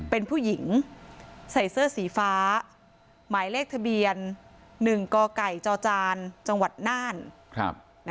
เป็นผู้หญิงใส่เสื้อสีฟ้าหมายเลขทะเบียน๑กกจนนนะคะ